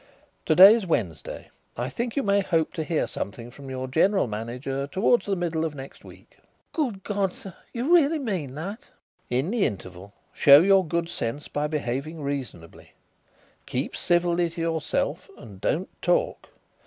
"To day is Wednesday. I think you may hope to hear something from your general manager towards the middle of next week." "Good God, sir! You really mean that?" "In the interval show your good sense by behaving reasonably. Keep civilly to yourself and don't talk.